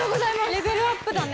レベルアップだね。